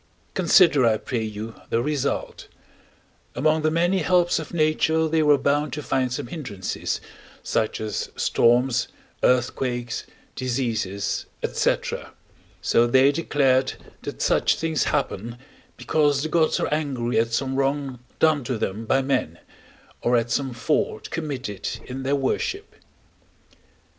Consider, I pray you, the result: among the many helps of nature they were bound to find some hindrances, such as storms, earthquakes, diseases, &c.: so they declared that such things happen, because the gods are angry at some wrong done to them by men, or at some fault committed in their worship.